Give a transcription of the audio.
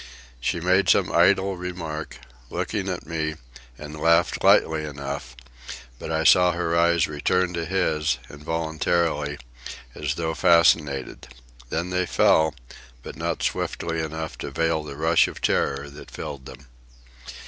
She made some idle remark, looking at me, and laughed lightly enough; but I saw her eyes return to his, involuntarily, as though fascinated; then they fell, but not swiftly enough to veil the rush of terror that filled them.